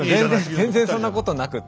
全然そんなことなくって。